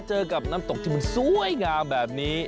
เจอกับน้ำตกที่มันสวยงามแบบนี้